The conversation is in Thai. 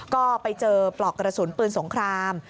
ก็ไปเจอปลอกกระสุนปืนสงคราม